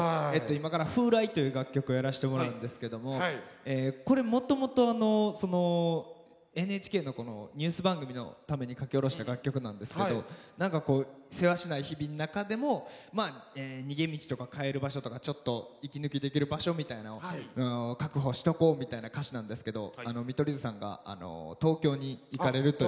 今から「風来」という楽曲をやらしてもらうんですけどもこれもともとＮＨＫのニュース番組のために書き下ろした楽曲なんですけど何かこうせわしない日々の中でも逃げ道とか帰る場所とかちょっと息抜きできる場所みたいなのを確保しとこうみたいな歌詞なんですけど見取り図さんが東京に行かれるということで。